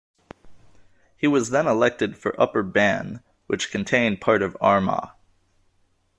He was then elected for Upper Bann, which contained part of Armagh.